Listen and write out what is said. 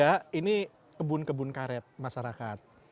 yang sudah ini kebun kebun karet masyarakat